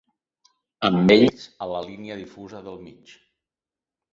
Amb ells a la línia difusa del mig.